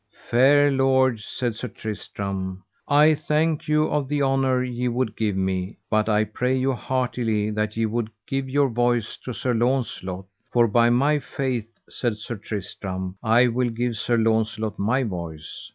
Fair lords, said Sir Tristram, I thank you of the honour ye would give me, but I pray you heartily that ye would give your voice to Sir Launcelot, for by my faith said Sir Tristram, I will give Sir Launcelot my voice.